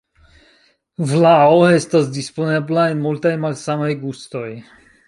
Vlao estas disponebla en multaj malsamaj gustoj.